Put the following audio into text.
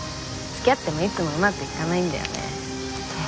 付き合ってもいつもうまくいかないんだよね。